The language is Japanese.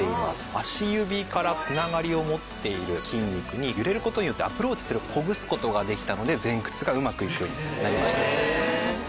足指からつながりを持っている筋肉に揺れることによってアプローチするほぐすことができたので前屈がうまく行くようになりました。